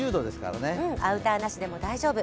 アウターなしでも大丈夫。